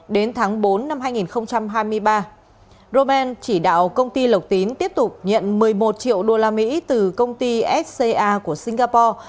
đến tháng bốn năm hai nghìn hai mươi ba roman chỉ đạo công ty lộc tín tiếp tục nhận một mươi một triệu usd từ công ty sca của singapore